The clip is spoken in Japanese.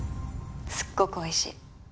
すっごくおいしい。